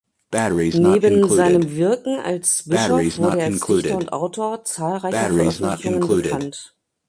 Neben seinem Wirken als Bischof wurde er als Dichter und Autor zahlreicher Veröffentlichungen bekannt.